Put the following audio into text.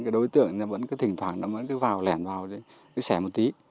đối tượng vẫn thỉnh thoảng vào lẻn vào xẻ một tí